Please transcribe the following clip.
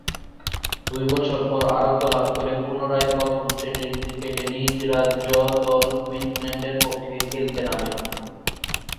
দুই বছর পর আরোগ্য লাভ করে পুনরায় প্রথম-শ্রেণীর ক্রিকেটে নিজ রাজ্য দল কুইন্সল্যান্ডের পক্ষে খেলতে নামেন।